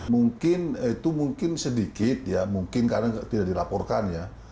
mungkin itu sedikit mungkin karena tidak dilaporkan